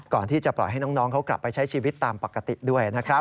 ก่อนที่จะปล่อยให้น้องเขากลับไปใช้ชีวิตตามปกติด้วยนะครับ